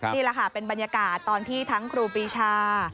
นี่แหละค่ะเป็นบรรยากาศตอนที่ทั้งครูปีชา